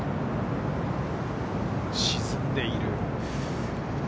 沈んでいる。